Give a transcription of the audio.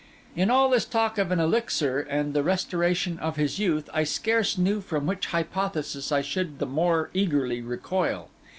In all this talk of an elixir and the restoration of his youth, I scarce knew from which hypothesis I should the more eagerly recoil.